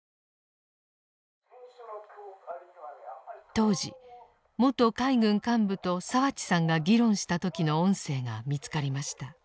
当時元海軍幹部と澤地さんが議論した時の音声が見つかりました。